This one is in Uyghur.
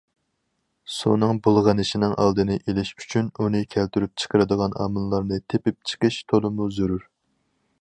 سۇنىڭ بۇلغىنىشىنىڭ ئالدىنى ئېلىش ئۈچۈن، ئۇنى كەلتۈرۈپ چىقىرىدىغان ئامىللارنى تېپىپ چىقىش تولىمۇ زۆرۈر.